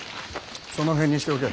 その辺にしておけ。